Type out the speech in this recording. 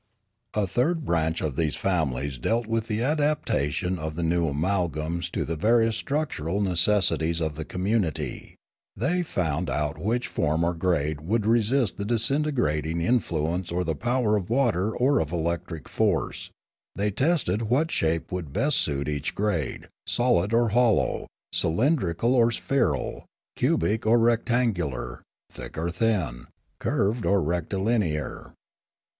A third branch of these families dealt with the adaptation of the new amalgams to the various struc tural necessities of the community; they found out which form or grade would resist the disintegrating influence or the power of water or of electric force; they tested what shape would best suit each grade, solid or hollow, cylindrical or spheral, cubic or rec tangular, thin or thick, curved or rectilinear.